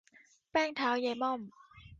แป้งเท้ายายม่อม